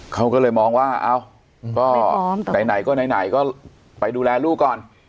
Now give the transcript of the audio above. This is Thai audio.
เขาก็เลยมองว่าเอ้าก็ไปพร้อมไหนไหนก็ไหนไหนก็ไปดูแลลูกก่อน